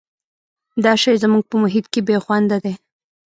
دا شی زموږ په محیط کې بې خونده دی.